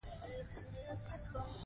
که ته زیار وباسې نو پښتو به زده کړې.